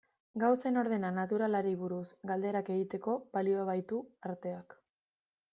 Gauzen ordena naturalari buruz galderak egiteko balio baitu arteak.